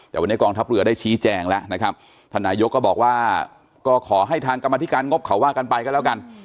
แต่วันนี้กองทัพเรือได้ชี้แจงแล้วนะครับท่านนายกก็บอกว่าก็ขอให้ทางกรรมธิการงบเขาว่ากันไปก็แล้วกัน